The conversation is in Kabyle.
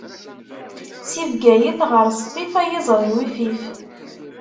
Si Bgayet ɣer Sṭif, ay iẓri-w ifif!